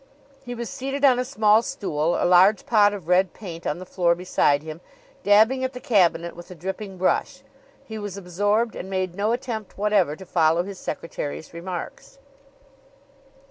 He was seated on a small stool, a large pot of red paint on the floor beside him, dabbing at the cabinet with a dripping brush. He was absorbed and made no attempt whatever to follow his secretary's remarks.